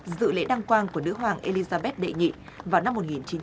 dự lễ đăng quang của nữ hoàng elizabeth đệ nhị vào năm một nghìn chín trăm năm mươi ba